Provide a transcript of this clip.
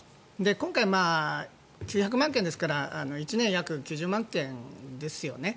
今回、９００万件ですから１年、約９０万件ですよね。